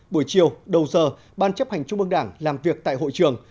buổi chiều đầu giờ ban chấp hành trung ương đảng làm việc tại hội trường